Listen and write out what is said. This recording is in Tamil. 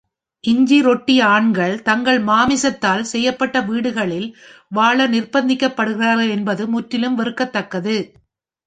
இஞ்சிரொட்டி ஆண்கள் தங்கள் மாமிசத்தால் செய்யப்பட்ட வீடுகளில் வாழ நிர்பந்திக்கப்படுகிறார்கள் என்பது முற்றிலும் வெறுக்கத்தக்கது.